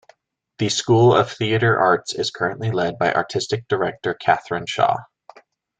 The School of Theatre Arts is currently led by Artistic Director Kathryn Shaw.